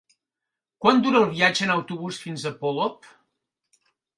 Quant dura el viatge en autobús fins a Polop?